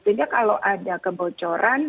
sehingga kalau ada kebocoran